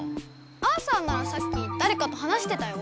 アーサーならさっきだれかと話してたよ。